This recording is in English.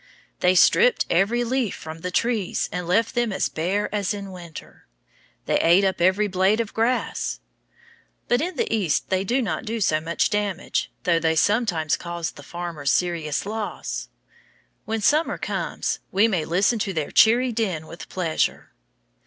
They stripped every leaf from the trees and left them as bare as in winter. They ate up every blade of grass. But in the East they do not do so much damage, though they sometimes cause the farmers serious loss. When summer comes we may listen to their cheery din with pleasure.